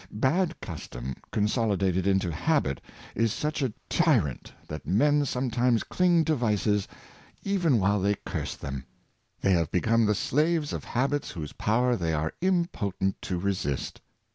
Bad custom, consolidated into habit, is such a tyrant that men sometimes cling to vices even while they curse them. They have become the slaves of habits whose power they are impotent to resist.